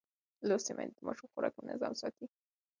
لوستې میندې د ماشوم خوراک منظم ساتي.